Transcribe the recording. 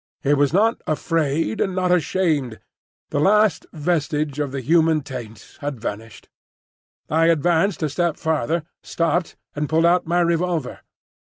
It was not afraid and not ashamed; the last vestige of the human taint had vanished. I advanced a step farther, stopped, and pulled out my revolver.